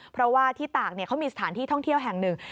เพราะว่าที่ตากเขามีสถานที่ท่องเที่ยวแห่งหนึ่ง